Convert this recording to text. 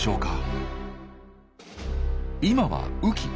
今は雨季。